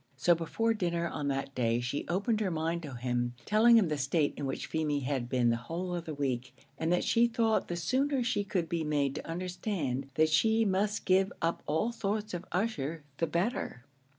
So before dinner on that day, she opened her mind to him, telling him the state in which Feemy had been the whole of the week, and that she thought the sooner she could be made to understand that she must give up all thoughts of Ussher, the better.